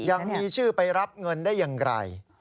ยังมีชื่อไปรับเงินได้อย่างไร